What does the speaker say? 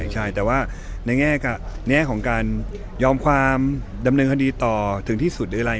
ใช่แต่ว่าในแง่ของการยอมความดำเนินคดีต่อถึงที่สุดหรืออะไร